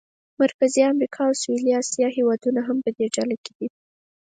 مرکزي امریکا او سویلي اسیا هېوادونه هم په دې ډله کې دي.